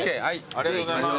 ありがとうございます。